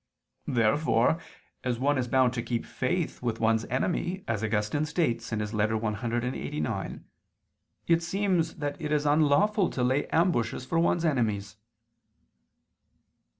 Therefore, as one is bound to keep faith with one's enemy, as Augustine states (Ep. ad Bonif. clxxxix), it seems that it is unlawful to lay ambushes for one's enemies.